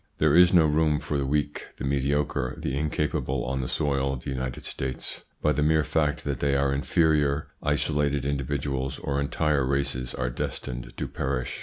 There is no room for the weak, the mediocre, the incapable on the soil of the United States. By the mere fact that they are inferior, isolated individuals or entire races are destined to perish.